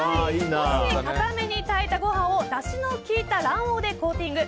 少し硬めに炊いたご飯をだしの効いた卵黄でコーティング。